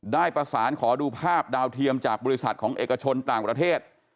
ได้ประสานขอดูภาพดาวเทียมจากบริษัทของเอกชนต่างประเทศ